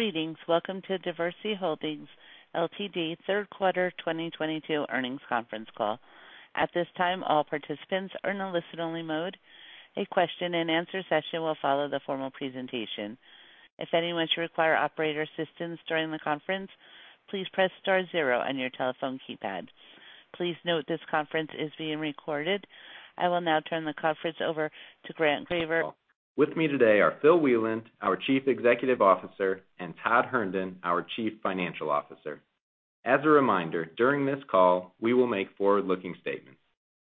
Greetings. Welcome to Diversey Holdings, Ltd. Q3 2022 earnings conference call. At this time, all participants are in a listen-only mode. A question-and-answer session will follow the formal presentation. If anyone should require operator assistance during the conference, please press star zero on your telephone keypad. Please note this conference is being recorded. I will now turn the conference over to Grant Graver. With me today are Phil Wieland, our Chief Executive Officer, and Todd Herndon, our Chief Financial Officer. As a reminder, during this call, we will make forward-looking statements.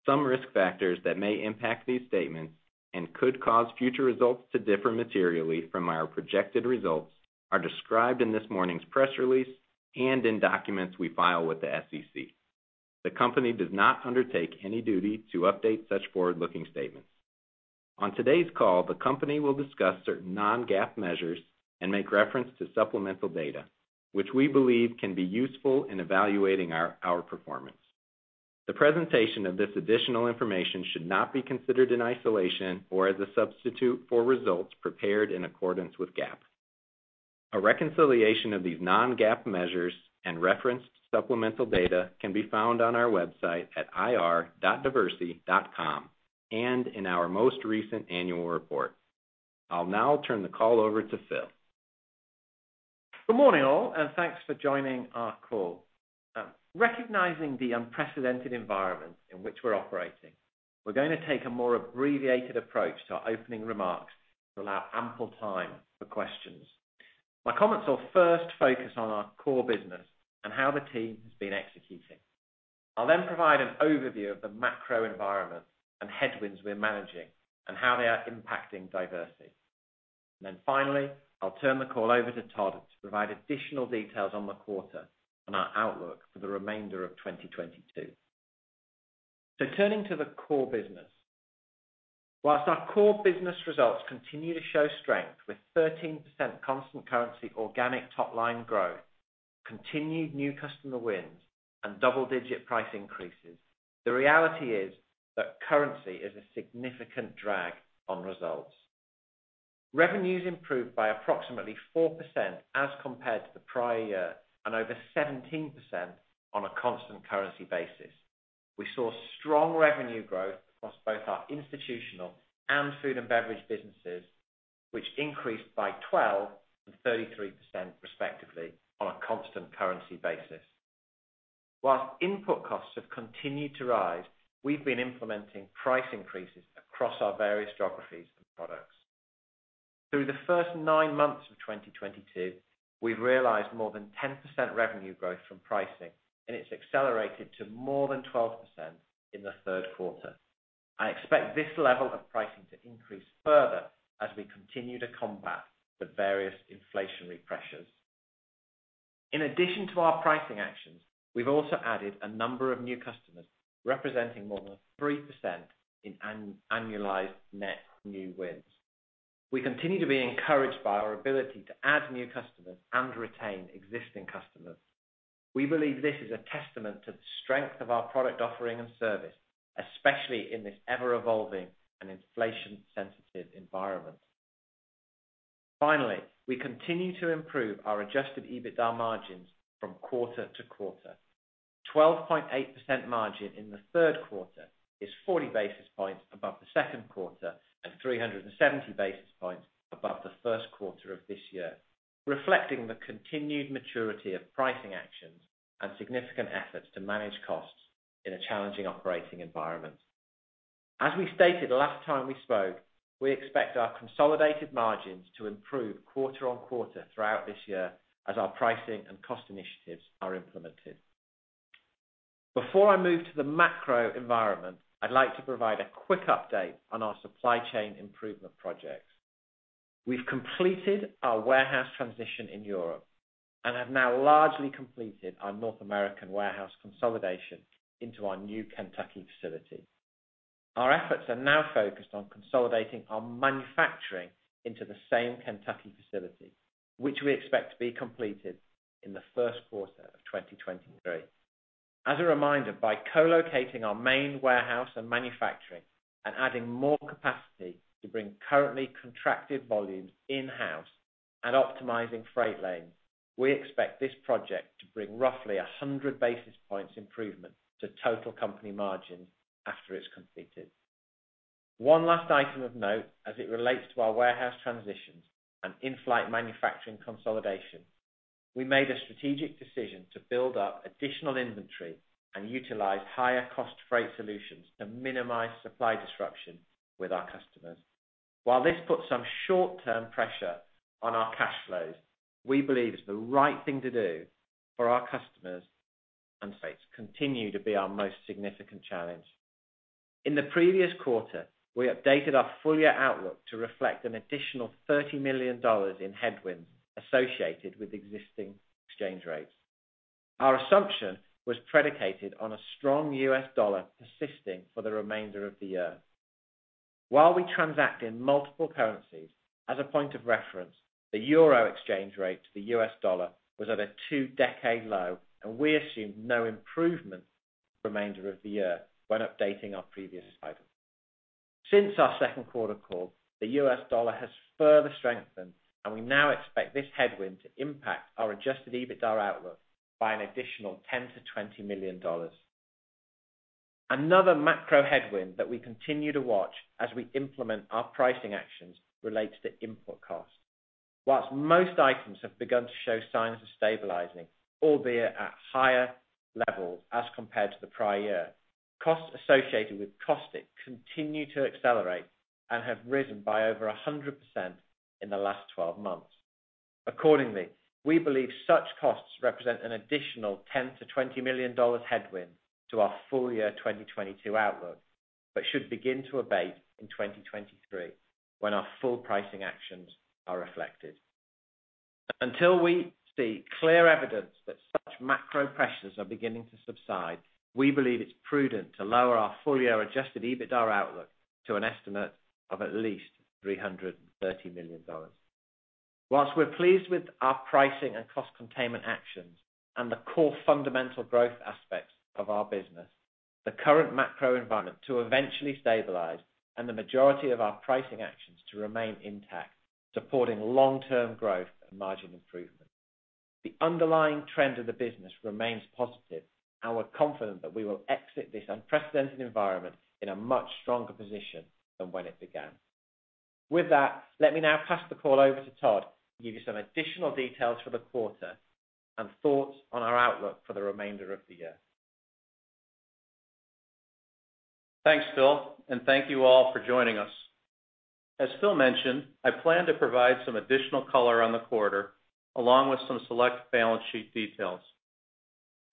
Some risk factors that may impact these statements and could cause future results to differ materially from our projected results are described in this morning's press release and in documents we file with the SEC. The company does not undertake any duty to update such forward-looking statements. On today's call, the company will discuss certain non-GAAP measures and make reference to supplemental data, which we believe can be useful in evaluating our performance. The presentation of this additional information should not be considered in isolation or as a substitute for results prepared in accordance with GAAP. A reconciliation of these non-GAAP measures and referenced supplemental data can be found on our website at ir.diversey.com and in our most recent annual report. I'll now turn the call over to Phil. Good morning, all, and thanks for joining our call. Recognizing the unprecedented environment in which we're operating, we're gonna take a more abbreviated approach to our opening remarks to allow ample time for questions. My comments will first focus on our core business and how the team has been executing. I'll then provide an overview of the macro environment and headwinds we're managing and how they are impacting Diversey. Then finally, I'll turn the call over to Todd to provide additional details on the quarter and our outlook for the remainder of 2022. Turning to the core business. While our core business results continue to show strength, with 13% constant currency organic top-line growth, continued new customer wins, and double-digit price increases, the reality is that currency is a significant drag on results. Revenues improved by approximately 4% as compared to the prior year, and over 17% on a constant currency basis. We saw strong revenue growth across both our institutional and food & beverage businesses, which increased by 12% and 33% respectively on a constant currency basis. While input costs have continued to rise, we've been implementing price increases across our various geographies and products. Through the first nine months of 2022, we've realized more than 10% revenue growth from pricing, and it's accelerated to more than 12% in the Q3. I expect this level of pricing to increase further as we continue to combat the various inflationary pressures. In addition to our pricing actions, we've also added a number of new customers, representing more than 3% in annualized net new wins. We continue to be encouraged by our ability to add new customers and retain existing customers. We believe this is a testament to the strength of our product offering and service, especially in this ever-evolving and inflation-sensitive environment. Finally, we continue to improve our Adjusted EBITDA margins from quarter to quarter. 12.8% margin in the Q3 is 40 basis points above the Q2 and 370 basis points above the Q1 of this year, reflecting the continued maturity of pricing actions and significant efforts to manage costs in a challenging operating environment. As we stated last time we spoke, we expect our consolidated margins to improve quarter-over-quarter throughout this year as our pricing and cost initiatives are implemented. Before I move to the macro environment, I'd like to provide a quick update on our supply chain improvement projects. We've completed our warehouse transition in Europe and have now largely completed our North American warehouse consolidation into our new Kentucky facility. Our efforts are now focused on consolidating our manufacturing into the same Kentucky facility, which we expect to be completed in the Q1 of 2023. As a reminder, by co-locating our main warehouse and manufacturing and adding more capacity to bring currently contracted volumes in-house and optimizing freight lanes, we expect this project to bring roughly 100 basis points improvement to total company margins after it's completed. One last item of note as it relates to our warehouse transitions and in-flight manufacturing consolidation, we made a strategic decision to build up additional inventory and utilize higher-cost freight solutions to minimize supply disruption with our customers. While this puts some short-term pressure on our cash flows, we believe it's the right thing to do for our customers. Continue to be our most significant challenge. In the previous quarter, we updated our full-year outlook to reflect an additional $30 million in headwinds associated with existing exchange rates. Our assumption was predicated on a strong U.S. dollar persisting for the remainder of the year. While we transact in multiple currencies, as a point of reference, the euro exchange rate to the U.S. dollar was at a two-decade low, and we assumed no improvement for the remainder of the year when updating our previous item. Since our Q2 call, the U.S. dollar has further strengthened, and we now expect this headwind to impact our Adjusted EBITDA outlook by an additional $10 to 20 million. Another macro headwind that we continue to watch as we implement our pricing actions relates to input costs. While most items have begun to show signs of stabilizing, albeit at higher levels as compared to the prior year, costs associated with caustic continue to accelerate and have risen by over 100% in the last twelve months. Accordingly, we believe such costs represent an additional $10-$20 million headwind to our full year 2022 outlook, but should begin to abate in 2023, when our full pricing actions are reflected. Until we see clear evidence that such macro pressures are beginning to subside, we believe it's prudent to lower our full year Adjusted EBITDA outlook to an estimate of at least $330 million. While we're pleased with our pricing and cost containment actions and the core fundamental growth aspects of our business, the current macro environment to eventually stabilize and the majority of our pricing actions to remain intact, supporting long-term growth and margin improvement. The underlying trend of the business remains positive, and we're confident that we will exit this unprecedented environment in a much stronger position than when it began. With that, let me now pass the call over to Todd to give you some additional details for the quarter and thoughts on our outlook for the remainder of the year. Thanks, Phil, and thank you all for joining us. As Phil mentioned, I plan to provide some additional color on the quarter, along with some select balance sheet details.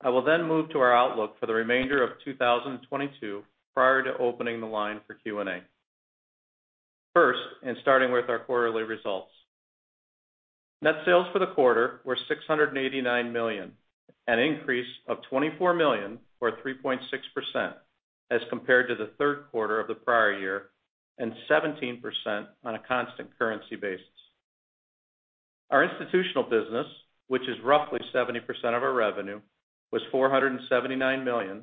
I will then move to our outlook for the remainder of 2022 prior to opening the line for Q&A. First, starting with our quarterly results. Net sales for the quarter were $689 million, an increase of $24 million or 3.6% as compared to the Q3 of the prior year, and 17% on a constant currency basis. Our institutional business, which is roughly 70% of our revenue, was $479 million,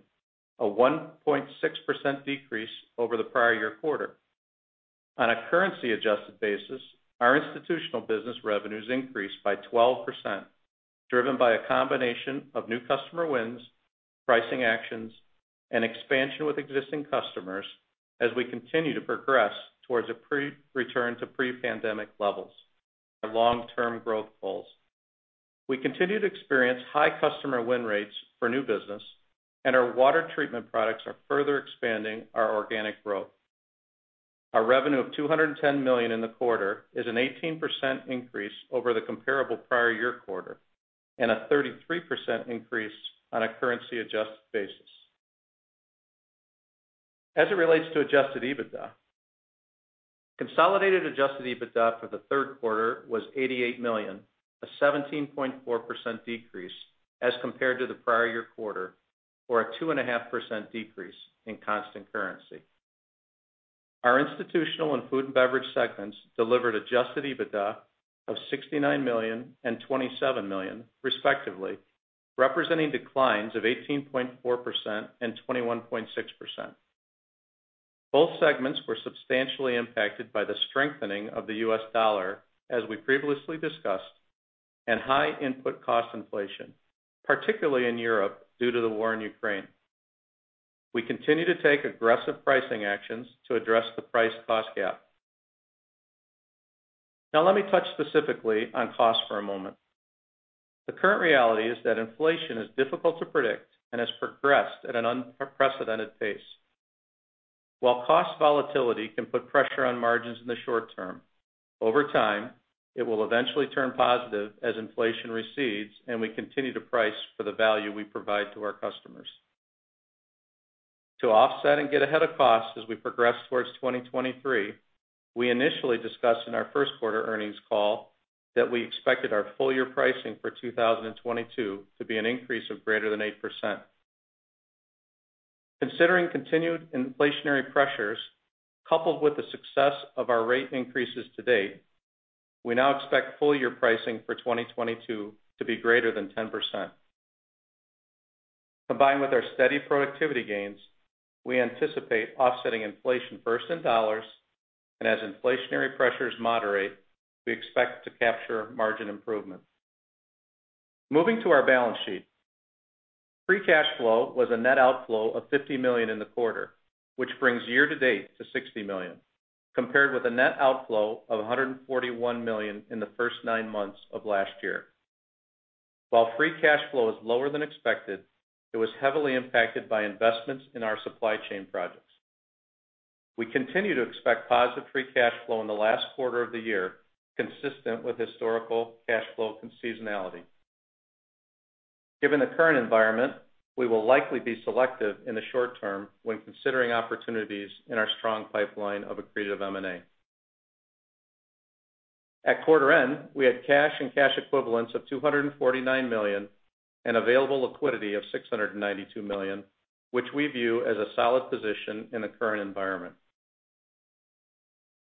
a 1.6% decrease over the prior year quarter. On a currency adjusted basis, our institutional business revenues increased by 12%, driven by a combination of new customer wins, pricing actions, and expansion with existing customers as we continue to progress towards a pre-return to pre-pandemic levels of long-term growth goals. We continue to experience high customer win rates for new business, and our water treatment products are further expanding our organic growth. Our revenue of $210 million in the quarter is an 18% increase over the comparable prior year quarter, and a 33% increase on a currency adjusted basis. As it relates to Adjusted EBITDA, consolidated Adjusted EBITDA for the Q3 was $88 million, a 17.4% decrease as compared to the prior year quarter, or a 2.5% decrease in constant currency. Our institutional and food and beverage segments delivered Adjusted EBITDA of $69 million and $27 million respectively, representing declines of 18.4% and 21.6%. Both segments were substantially impacted by the strengthening of the U.S. dollar, as we previously discussed, and high input cost inflation, particularly in Europe due to the war in Ukraine. We continue to take aggressive pricing actions to address the price cost gap. Now let me touch specifically on cost for a moment. The current reality is that inflation is difficult to predict and has progressed at an unprecedented pace. While cost volatility can put pressure on margins in the short term, over time, it will eventually turn positive as inflation recedes and we continue to price for the value we provide to our customers. To offset and get ahead of costs as we progress towards 2023, we initially discussed in our Q1 earnings call that we expected our full year pricing for 2022 to be an increase of greater than 8%. Considering continued inflationary pressures, coupled with the success of our rate increases to date, we now expect full year pricing for 2022 to be greater than 10%. Combined with our steady productivity gains, we anticipate offsetting inflation first in dollars, and as inflationary pressures moderate, we expect to capture margin improvement. Moving to our balance sheet. Free cash flow was a net outflow of $50 million in the quarter, which brings year to date to $60 million, compared with a net outflow of $141 million in the first nine months of last year. While free cash flow is lower than expected, it was heavily impacted by investments in our supply chain projects. We continue to expect positive free cash flow in the last quarter of the year, consistent with historical cash flow seasonality. Given the current environment, we will likely be selective in the short term when considering opportunities in our strong pipeline of accretive M&A. At quarter end, we had cash and cash equivalents of $249 million and available liquidity of $692 million, which we view as a solid position in the current environment.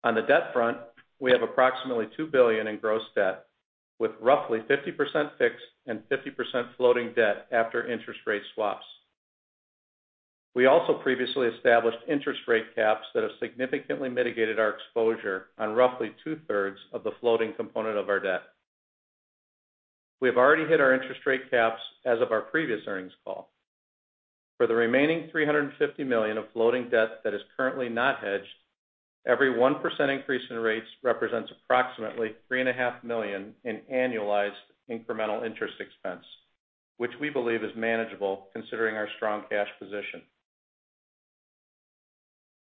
On the debt front, we have approximately $2 billion in gross debt with roughly 50% fixed and 50% floating debt after interest rate swaps. We also previously established interest rate caps that have significantly mitigated our exposure on roughly two-thirds of the floating component of our debt. We have already hit our interest rate caps as of our previous earnings call. For the remaining $350 million of floating debt that is currently not hedged, every 1% increase in rates represents approximately $3.5 million in annualized incremental interest expense, which we believe is manageable considering our strong cash position.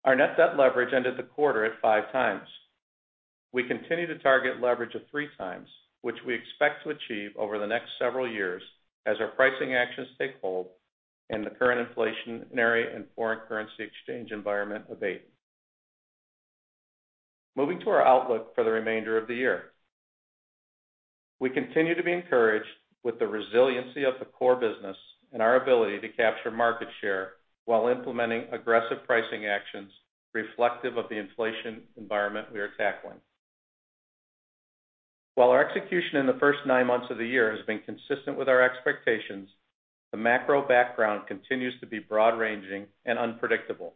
Our net debt leverage ended the quarter at 5x. We continue to target leverage of 3x, which we expect to achieve over the next several years as our pricing actions take hold and the current inflationary and foreign currency exchange environment abate. Moving to our outlook for the remainder of the year. We continue to be encouraged with the resiliency of the core business and our ability to capture market share while implementing aggressive pricing actions reflective of the inflation environment we are tackling. While our execution in the first nine months of the year has been consistent with our expectations, the macro background continues to be broad-ranging and unpredictable.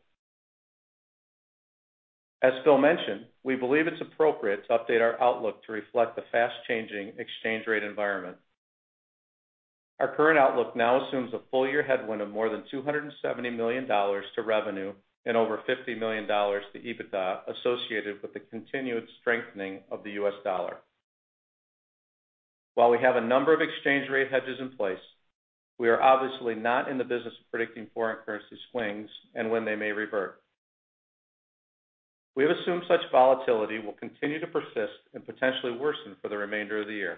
As Phil mentioned, we believe it's appropriate to update our outlook to reflect the fast-changing exchange rate environment. Our current outlook now assumes a full year headwind of more than $270 million to revenue and over $50 million to EBITDA associated with the continued strengthening of the US dollar. While we have a number of exchange rate hedges in place, we are obviously not in the business of predicting foreign currency swings and when they may revert. We have assumed such volatility will continue to persist and potentially worsen for the remainder of the year.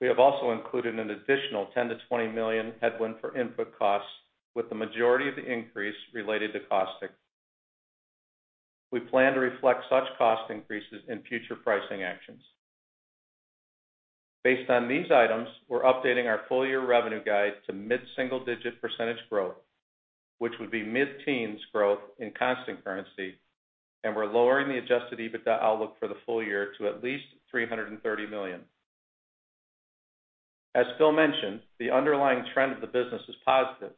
We have also included an additional $10 to 20 million headwind for input costs, with the majority of the increase related to caustic. We plan to reflect such cost increases in future pricing actions. Based on these items, we're updating our full-year revenue guide to mid-single-digit % growth, which would be mid-teens growth in constant currency, and we're lowering the Adjusted EBITDA outlook for the full year to at least $330 million. As Phil mentioned, the underlying trend of the business is positive,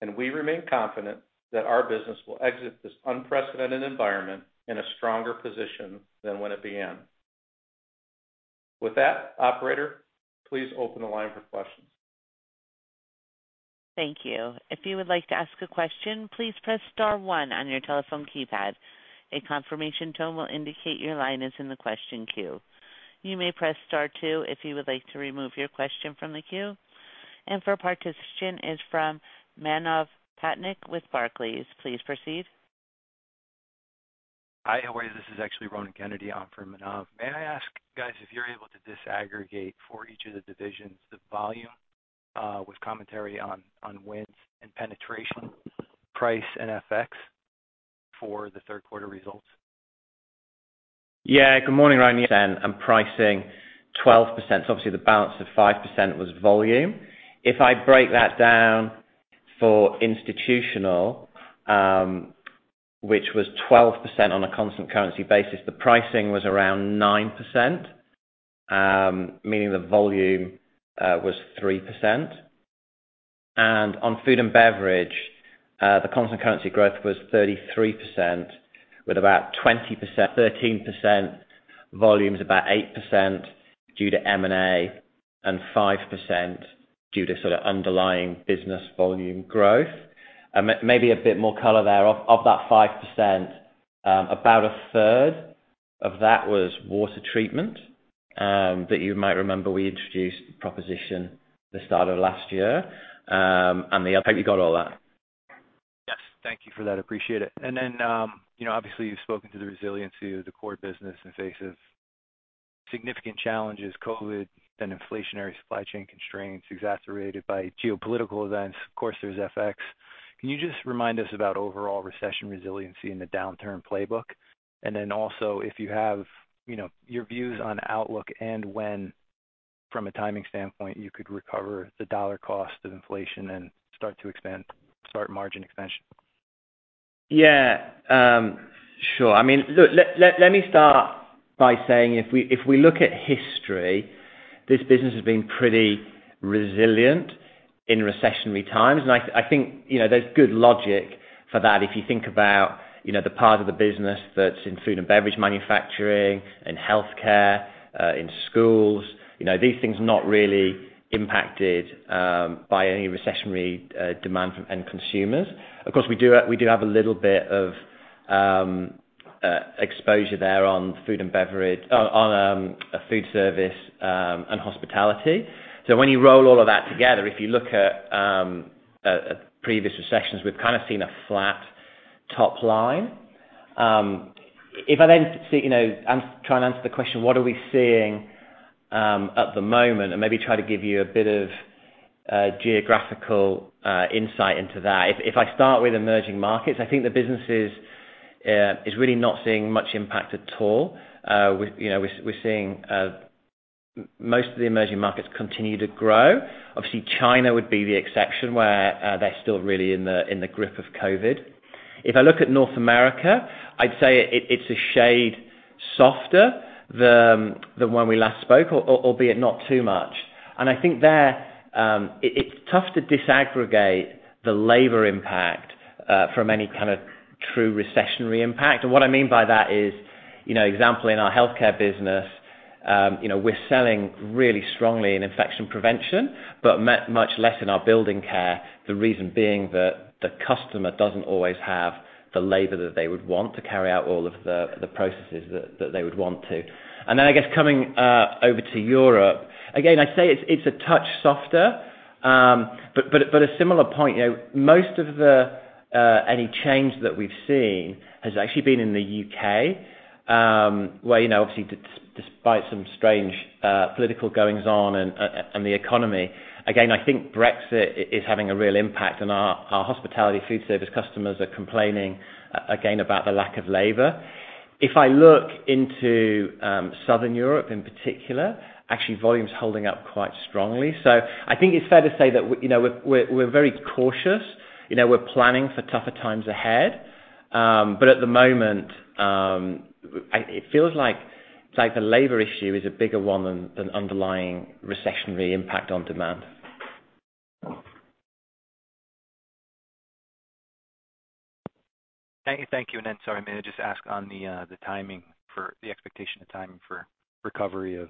and we remain confident that our business will exit this unprecedented environment in a stronger position than when it began. With that, operator, please open the line for questions. Thank you. If you would like to ask a question, please press star one on your telephone keypad. A confirmation tone will indicate your line is in the question queue. You may press star two if you would like to remove your question from the queue. Our first question is from Manav Patnaik with Barclays. Please proceed. Hi. How are you? This is actually Ronan Kennedy on for Manav. May I ask you guys if you're able to disaggregate for each of the divisions, the volume, with commentary on wins and penetration, price, and FX for the Q3 results? Yeah. Good morning, Ronan. Pricing 12%. Obviously, the balance of 5% was volume. If I break that down for Institutional, which was 12% on a constant currency basis, the pricing was around 9%, meaning the volume was 3%. On food and beverage, the constant currency growth was 33%, with about 20%, 13%. Volume is about 8% due to M&A and 5% due to sort of underlying business volume growth. Maybe a bit more color there. Of that 5%, about a third of that was water treatment, that you might remember we introduced proposition the start of last year. And the other. Hope you got all that. Yes. Thank you for that. Appreciate it. You know, obviously, you've spoken to the resiliency of the core business in the face of significant challenges, COVID, then inflationary supply chain constraints exacerbated by geopolitical events. Of course, there's FX. Can you just remind us about overall recession resiliency in the downturn playbook? If you have, you know, your views on outlook and when, from a timing standpoint, you could recover the dollar cost of inflation and start margin expansion? Yeah, sure. I mean, look, let me start by saying if we look at history, this business has been pretty resilient in recessionary times. I think, you know, there's good logic for that if you think about, you know, the part of the business that's in food and beverage manufacturing, in healthcare, in schools. You know, these things are not really impacted by any recessionary demand from end consumers. Of course, we do have a little bit of exposure there on food and beverage, on food service and hospitality. When you roll all of that together, if you look at previous recessions, we've kind of seen a flat top line. If I then say, you know, trying to answer the question, what are we seeing at the moment, and maybe try to give you a bit of geographical insight into that. If I start with emerging markets, I think the business is really not seeing much impact at all. You know, we're seeing most of the emerging markets continue to grow. Obviously, China would be the exception where they're still really in the grip of COVID. If I look at North America, I'd say it's a shade softer than when we last spoke, albeit not too much. I think there it's tough to disaggregate the labor impact from any kind of true recessionary impact. What I mean by that is, you know, example, in our healthcare business, you know, we're selling really strongly in infection prevention, but much less in our building care. The reason being that the customer doesn't always have the labor that they would want to carry out all of the processes that they would want to. Then I guess coming over to Europe, again, I'd say it's a touch softer, but a similar point. You know, most of the any change that we've seen has actually been in the U.K., where, you know, obviously despite some strange political goings-on and the economy. Again, I think Brexit is having a real impact on our hospitality food service customers are complaining, again, about the lack of labor. If I look into Southern Europe in particular, actually volume is holding up quite strongly. I think it's fair to say that you know, we're very cautious. You know, we're planning for tougher times ahead. But at the moment, it feels like, it's like the labor issue is a bigger one than underlying recessionary impact on demand. Thank you. Sorry, may I just ask on the expectation of timing for recovery of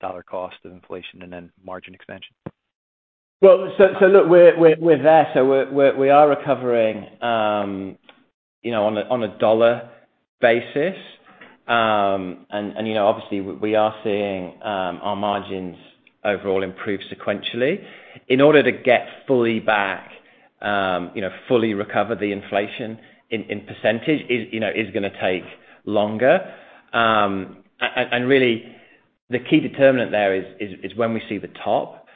dollar cost of inflation and then margin expansion? Well, so look, we're there. We're recovering, you know, on a dollar basis. And, you know, obviously we are seeing our margins overall improve sequentially. In order to get fully back, you know, fully recover the inflation in percentage is, you know, gonna take longer. And really the key determinant there is when we see the top.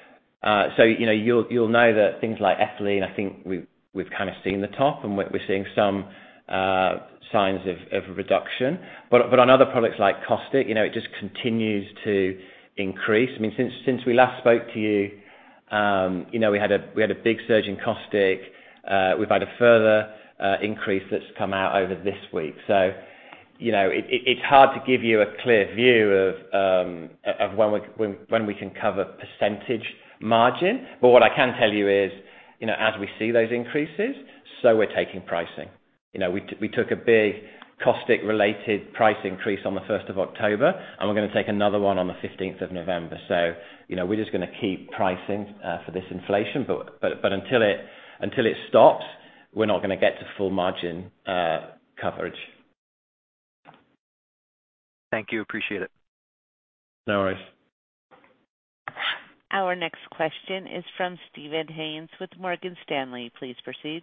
You know, you'll know that things like ethylene, I think we've kind of seen the top, and we're seeing some signs of reduction. But on other products like caustic, you know, it just continues to increase. I mean, since we last spoke to you know, we had a big surge in caustic. We've had a further increase that's come out over this week. You know, it's hard to give you a clear view of when we can cover percentage margin. But what I can tell you is, you know, as we see those increases, we're taking pricing. You know, we took a big caustic related price increase on the first of October, and we're gonna take another one on the fifteenth of November. You know, we're just gonna keep pricing for this inflation. But until it stops, we're not gonna get to full margin coverage. Thank you. Appreciate it. No worries. Our next question is from Steven Haynes with Morgan Stanley. Please proceed.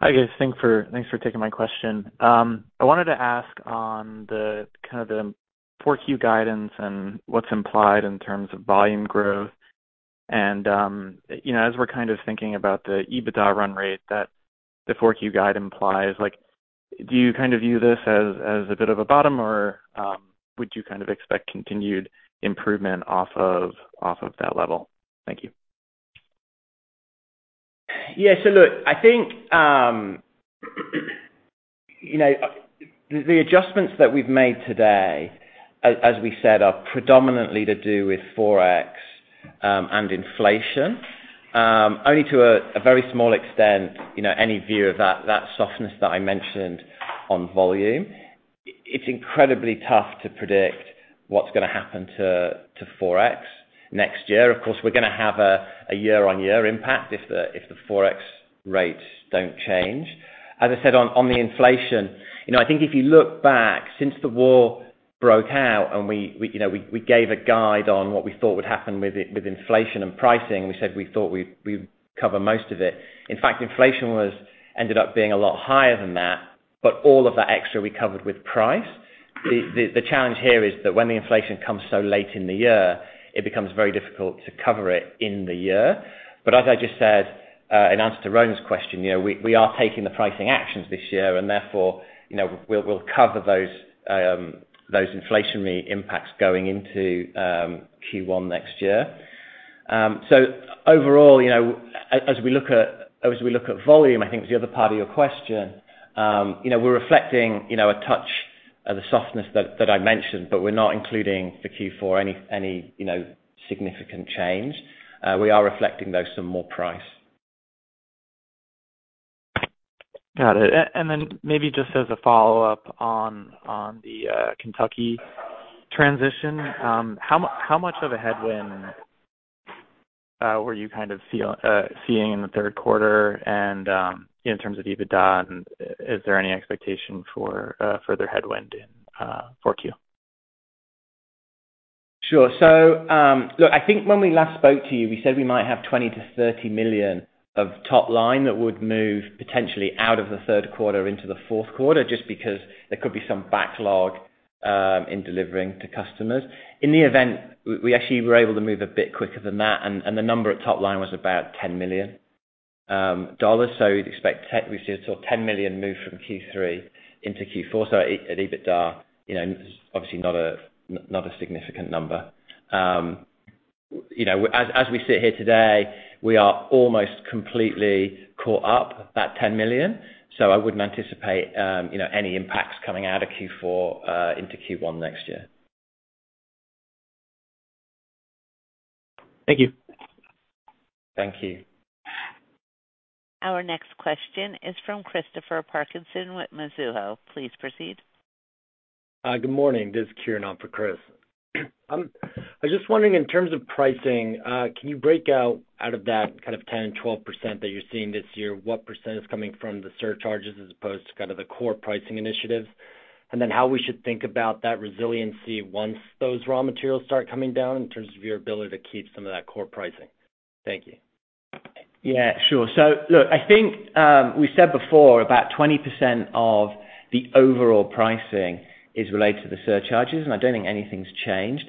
Hi guys. Thanks for taking my question. I wanted to ask on the kind of Q4 guidance and what's implied in terms of volume growth. You know, as we're kind of thinking about the EBITDA run rate that the Q4 guide implies, like, do you kind of view this as a bit of a bottom or would you kind of expect continued improvement off of that level? Thank you. Yeah. Look, I think, you know, the adjustments that we've made today, as we said, are predominantly to do with Forex and inflation. Only to a very small extent, you know, any view of that softness that I mentioned on volume. It's incredibly tough to predict what's gonna happen to Forex next year. Of course, we're gonna have a year-on-year impact if the Forex rates don't change. As I said on the inflation, you know, I think if you look back since the war broke out and we you know gave a guide on what we thought would happen with it with inflation and pricing. We said we thought we'd cover most of it. In fact, inflation ended up being a lot higher than that, but all of that extra we covered with pricing. The challenge here is that when the inflation comes so late in the year, it becomes very difficult to cover it in the year. As I just said, in answer to Ronan's question, you know, we are taking the pricing actions this year and therefore, you know, we'll cover those inflationary impacts going into Q1 next year. Overall, you know, as we look at volume, I think it was the other part of your question, you know, we're reflecting, you know, a touch of the softness that I mentioned, but we're not including in Q4 any significant change. We are reflecting though some more pricing. Got it. Maybe just as a follow-up on the Kentucky transition, how much of a headwind were you kind of seeing in the Q3 and in terms of EBITDA and is there any expectation for further headwind in Q4? Sure. Look, I think when we last spoke to you, we said we might have $20 to 30 million of top line that would move potentially out of the Q3 into the Q4, just because there could be some backlog in delivering to customers. In the event, we actually were able to move a bit quicker than that, and the number at top line was about $10 million dollars. We'd expect that we see a sort of $10 million move from Q3 into Q4. At EBITDA, you know, obviously not a significant number. You know, as we sit here today, we are almost completely caught up that $10 million. I wouldn't anticipate, you know, any impacts coming out of Q4 into Q1 next year. Thank you. Thank you. Our next question is from Christopher Parkinson with Mizuho. Please proceed. Good morning. This is Kieran on for Chris. I was just wondering, in terms of pricing, can you break out of that kind of 10 to 12% that you're seeing this year, what % is coming from the surcharges as opposed to kind of the core pricing initiatives? How we should think about that resiliency once those raw materials start coming down in terms of your ability to keep some of that core pricing. Thank you. Yeah, sure. Look, I think we said before about 20% of the overall pricing is related to the surcharges, and I don't think anything's changed.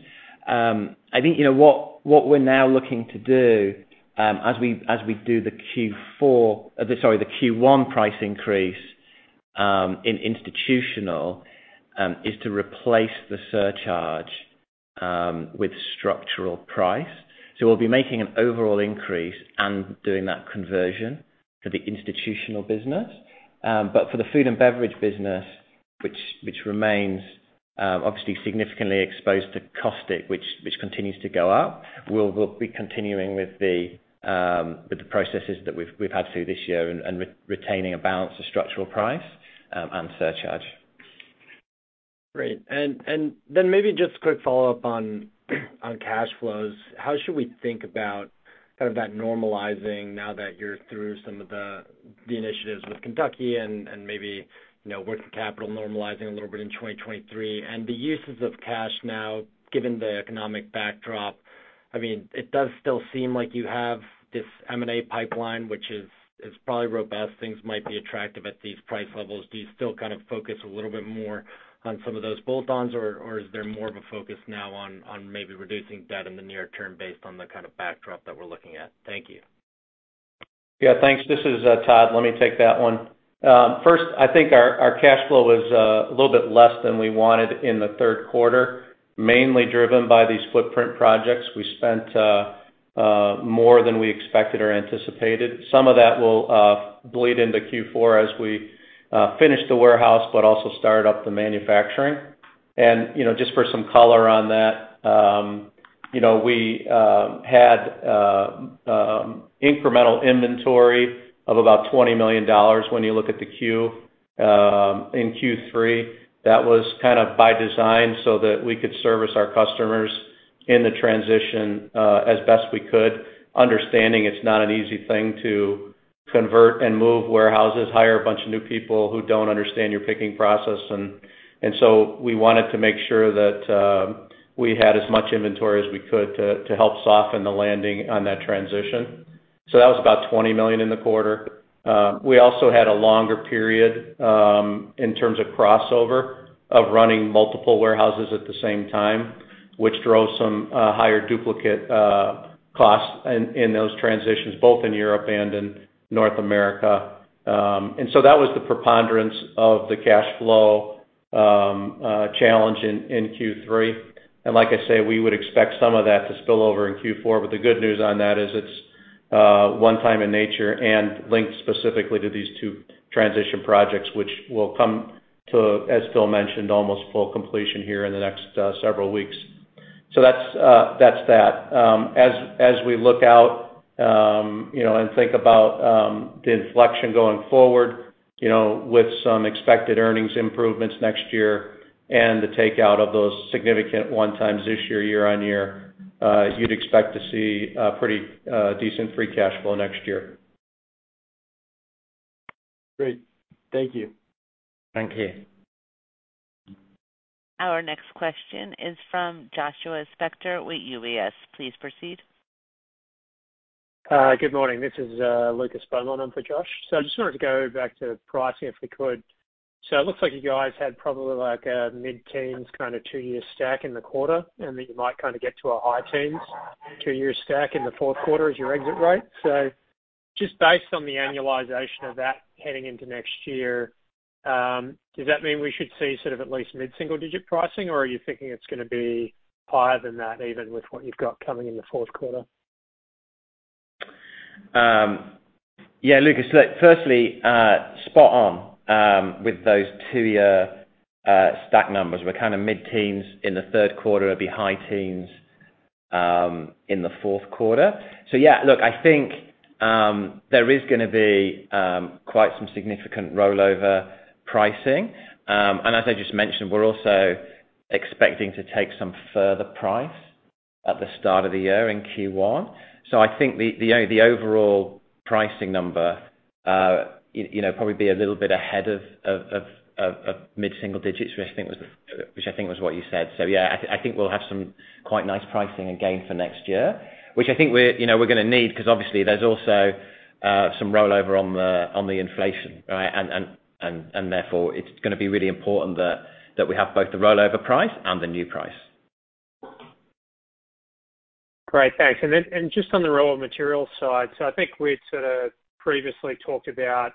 I think, you know, what we're now looking to do as we do the Q1 price increase in institutional is to replace the surcharge with structural price. We'll be making an overall increase and doing that conversion for the institutional business. For the food and beverage business, which remains obviously significantly exposed to caustic, which continues to go up, we'll be continuing with the processes that we've had through this year and retaining a balance of structural price and surcharge. Great. Then maybe just quick follow-up on cash flows. How should we think about kind of that normalizing now that you're through some of the initiatives with Kentucky and maybe, you know, working capital normalizing a little bit in 2023. The uses of cash now, given the economic backdrop, I mean, it does still seem like you have this M&A pipeline, which is probably robust. Things might be attractive at these price levels. Do you still kind of focus a little bit more on some of those bolt-ons, or is there more of a focus now on maybe reducing debt in the near term based on the kind of backdrop that we're looking at? Thank you. Yeah, thanks. This is Todd. Let me take that one. First, I think our cash flow was a little bit less than we wanted in the Q3, mainly driven by these footprint projects. We spent more than we expected or anticipated. Some of that will bleed into Q4 as we finish the warehouse, but also start up the manufacturing. You know, just for some color on that, you know, we had incremental inventory of about $20 million when you look at the Q in Q3. That was kind of by design so that we could service our customers in the transition as best we could, understanding it's not an easy thing to convert and move warehouses, hire a bunch of new people who don't understand your picking process. We wanted to make sure that we had as much inventory as we could to help soften the landing on that transition. That was about $20 million in the quarter. We also had a longer period in terms of crossover of running multiple warehouses at the same time, which drove some higher duplicate costs in those transitions, both in Europe and in North America. That was the preponderance of the cash flow challenge in Q3. Like I say, we would expect some of that to spill over in Q4, but the good news on that is it's one time in nature and linked specifically to these two transition projects, which will come to, as Phil mentioned, almost full completion here in the next several weeks. That's that. As we look out, you know, and think about the inflection going forward, you know, with some expected earnings improvements next year and the takeout of those significant one-time this year-on-year, you'd expect to see a pretty decent free cash flow next year. Great. Thank you. Thank you. Our next question is from Joshua Spector with UBS. Please proceed. Good morning. This is Lucas Beaumont on for Josh. I just wanted to go back to pricing if we could. It looks like you guys had probably like a mid-teens kind of two-year stack in the quarter, and that you might kind of get to a high teens two-year stack in the Q4 as your exit rate. Just based on the annualization of that heading into next year, does that mean we should see sort of at least mid-single digit pricing, or are you thinking it's gonna be higher than that, even with what you've got coming in the Q4? Yeah, Lucas, look, firstly, spot on with those two-year stack numbers. We're kind of mid-teens in the Q3. It'll be high teens in the Q4. Yeah, look, I think there is gonna be quite some significant rollover pricing. And as I just mentioned, we're also expecting to take some further price at the start of the year in Q1. I think the overall pricing number, you know, probably be a little bit ahead of mid-single digits, which I think was what you said. Yeah, I think we'll have some quite nice pricing again for next year, which I think we're, you know, we're gonna need because obviously there's also some rollover on the inflation, right? Therefore it's gonna be really important that we have both the rollover price and the new price. Great. Thanks. Then just on the raw material side, I think we'd sort of previously talked about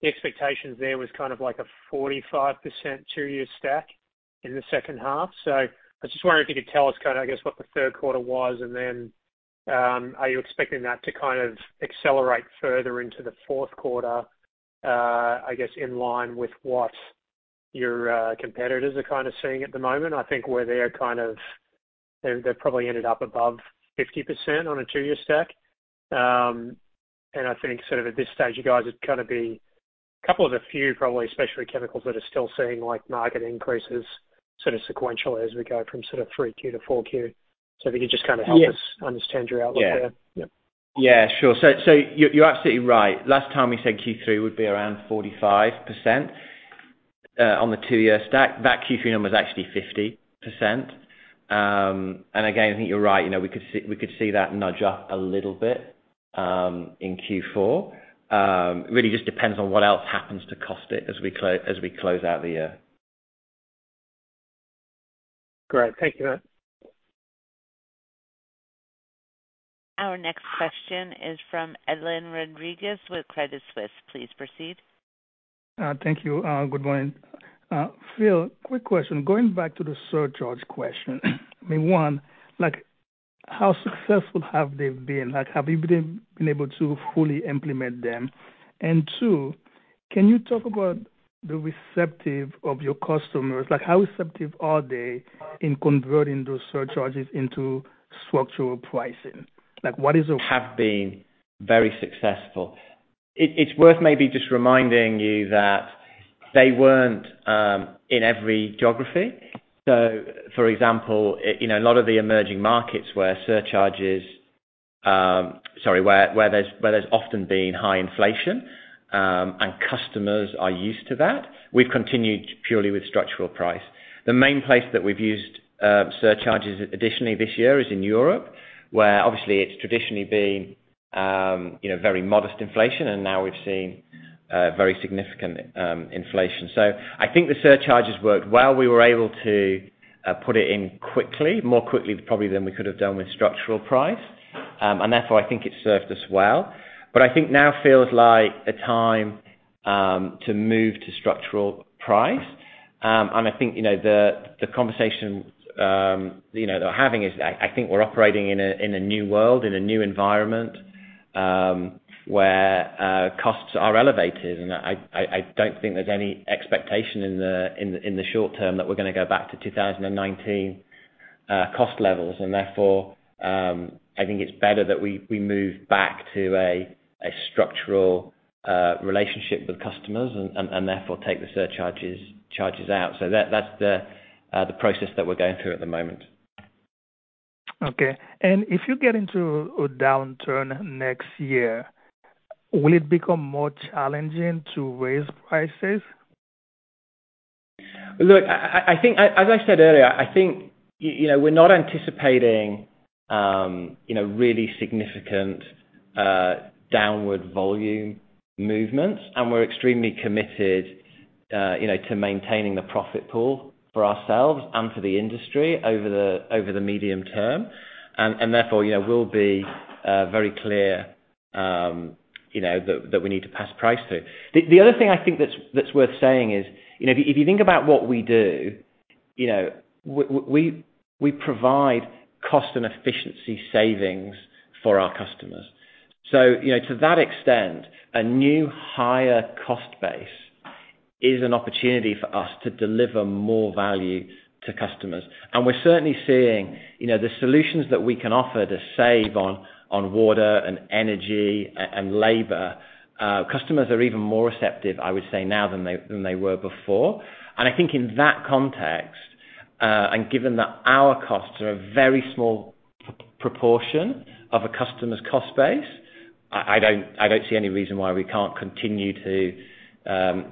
the expectations there was kind of like a 45% two-year stack in the H2. I was just wondering if you could tell us kind a, I guess, what the Q3 was and then, are you expecting that to kind of accelerate further into the Q4, I guess in line with what your competitors are kind a seeing at the moment? I think where they're kind of, they have probably ended up above 50% on a two-year stack. I think sort of at this stage, you guys would kind a be couple of the few probably, especially chemicals that are still seeing like market increases sort of sequentially as we go from sort of Q3 to Q4. If you could just kind of help- Yes. Understand your outlook there. Yeah. Yep. Yeah, sure. You're absolutely right. Last time we said Q3 would be around 45% on the two-year stack. That Q3 number was actually 50%. Again, I think you're right. You know, we could see that nudge up a little bit in Q4. Really just depends on what else happens to costs as we close out the year. Great. Thank you. Our next question is from Edlain Rodriguez with Credit Suisse. Please proceed. Thank you. Good morning. Phil, quick question. Going back to the surcharge question. I mean, one, like, how successful have they been? Like, have you been able to fully implement them? And two, can you talk about the receptivity of your customers? Like, how receptive are they in converting those surcharges into structural pricing? Have been very successful. It's worth maybe just reminding you that they weren't in every geography. For example, you know, a lot of the emerging markets where there's often been high inflation and customers are used to that, we've continued purely with structural price. The main place that we've used surcharges additionally this year is in Europe, where obviously it's traditionally been, you know, very modest inflation and now we've seen very significant inflation. I think the surcharges worked well. We were able to put it in quickly, more quickly probably than we could have done with structural price. Therefore, I think it served us well. I think now feels like a time to move to structural price. I think, you know, the conversation they're having is I think we're operating in a new world, in a new environment, where costs are elevated. I don't think there's any expectation in the short term that we're gonna go back to 2019 cost levels. Therefore, I think it's better that we move back to a structural relationship with customers and therefore take the surcharges charges out. That's the process that we're going through at the moment. Okay. If you get into a downturn next year, will it become more challenging to raise prices? Look, I think as I said earlier, I think you know, we're not anticipating you know, really significant downward volume movements, and we're extremely committed you know, to maintaining the profit pool for ourselves and for the industry over the medium term. Therefore, you know, we'll be very clear you know, that we need to pass price through. The other thing I think that's worth saying is, you know, if you think about what we do, you know, we provide cost and efficiency savings for our customers. You know, to that extent, a new higher cost base is an opportunity for us to deliver more value to customers. We're certainly seeing, you know, the solutions that we can offer to save on water and energy and labor. Customers are even more receptive, I would say now than they were before. I think in that context and given that our costs are a very small proportion of a customer's cost base, I don't see any reason why we can't continue to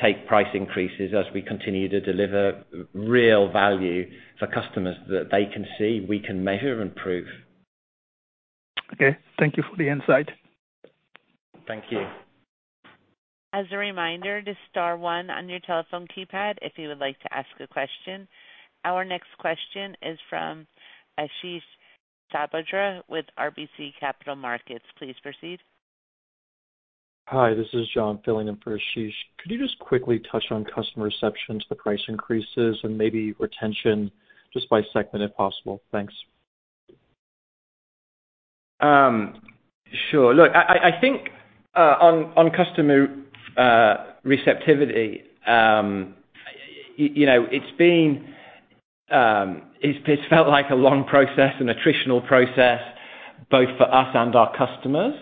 take price increases as we continue to deliver real value for customers that they can see, we can measure and prove. Okay. Thank you for the insight. Thank you. As a reminder to star one on your telephone keypad if you would like to ask a question. Our next question is from Ashish Sabadra with RBC Capital Markets. Please proceed. Hi, this is John filling in for Ashish. Could you just quickly touch on customer reception to the price increases and maybe retention just by segment if possible? Thanks. Sure. Look, I think on customer receptivity, you know, it's been, it's felt like a long process, an attritional process both for us and our customers.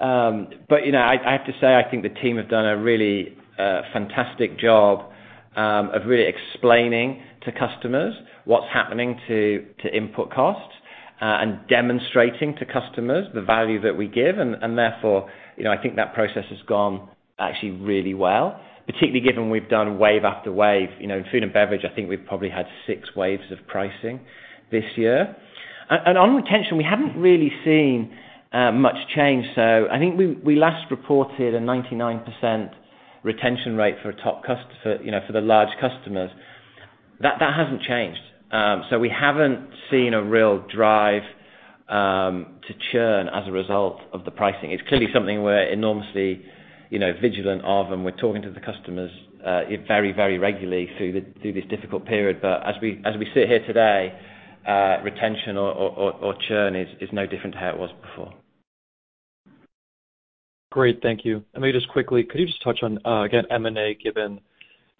You know, I have to say, I think the team have done a really fantastic job of really explaining to customers what's happening to input costs and demonstrating to customers the value that we give. Therefore, you know, I think that process has gone actually really well, particularly given we've done wave after wave. You know, in food and beverage, I think we've probably had six waves of pricing this year. On retention, we haven't really seen much change. I think we last reported a 99% retention rate for, you know, the large customers. That hasn't changed. We haven't seen a real drive to churn as a result of the pricing. It's clearly something we're enormously, you know, vigilant of, and we're talking to the customers very, very regularly through this difficult period. As we sit here today, retention or churn is no different to how it was before. Great. Thank you. Maybe just quickly, could you just touch on again, M&A, given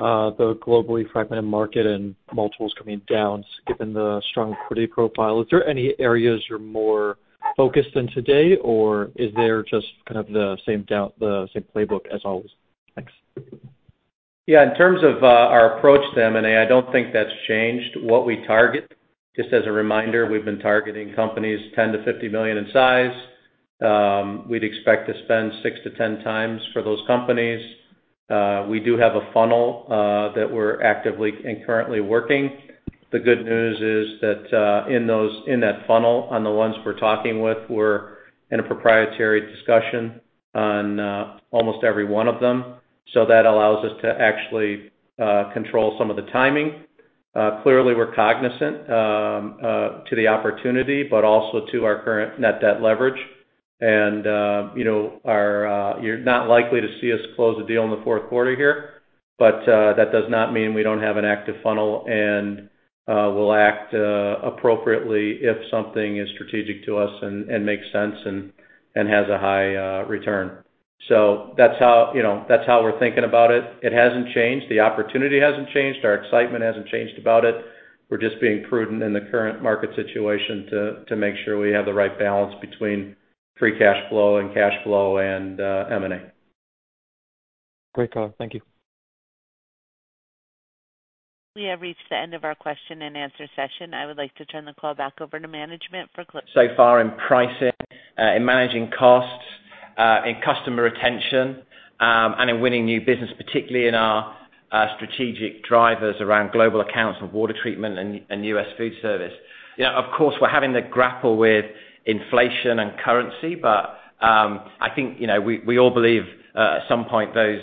the globally fragmented market and multiples coming down, given the strong credit profile. Is there any areas you're more focused in today, or is there just kind of the same playbook as always? Thanks. Yeah. In terms of our approach to M&A, I don't think that's changed what we target. Just as a reminder, we've been targeting companies $10 to 50 million in size. We'd expect to spend 6x to 10x for those companies. We do have a funnel that we're actively and currently working. The good news is that in that funnel, on the ones we're talking with, we're in a proprietary discussion on almost every one of them. That allows us to actually control some of the timing. Clearly, we're cognizant to the opportunity, but also to our current net debt leverage. You know, you're not likely to see us close a deal in the Q4 here, but that does not mean we don't have an active funnel, and we'll act appropriately if something is strategic to us and makes sense and has a high return. That's how we're thinking about it. It hasn't changed. The opportunity hasn't changed. Our excitement hasn't changed about it. We're just being prudent in the current market situation to make sure we have the right balance between free cash flow and cash flow and M&A. Great. Thank you. We have reached the end of our question-and-answer session. I would like to turn the call back over to management for closing remarks. So far in pricing, in managing costs, in customer retention, and in winning new business, particularly in our strategic drivers around global accounts of water treatment and U.S. food service. You know, of course, we're having to grapple with inflation and currency, but I think, you know, we all believe at some point those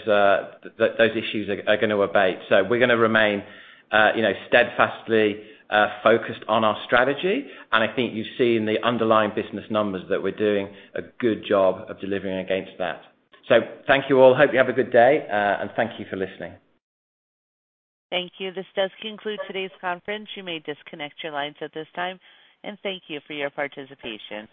issues are gonna abate. We're gonna remain, you know, steadfastly focused on our strategy. I think you've seen the underlying business numbers that we're doing a good job of delivering against that. Thank you all. Hope you have a good day and thank you for listening. Thank you. This does conclude today's conference. You may disconnect your lines at this time and thank you for your participation.